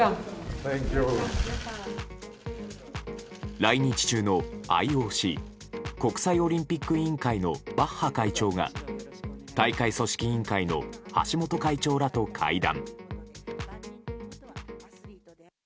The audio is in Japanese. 来日中のＩＯＣ・国際オリンピック委員会のバッハ会長が大会組織委員会の橋本会長らと会談。